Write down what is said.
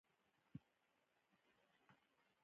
مزارشریف د افغانستان د طبیعي پدیدو یو بل ښکلی رنګ دی.